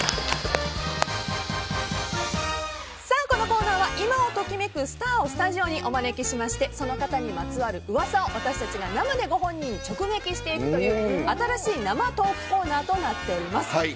このコーナーは、今を時めくスターをスタジオにお招きしてその方にまつわる噂を私たちが生でご本人に直撃していくという新しい生トークコーナーとなっております。